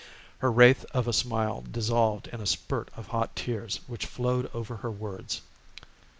Her wraith of a smile dissolved in a spurt of hot tears which flowed over her words.